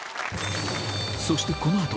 そしてこの後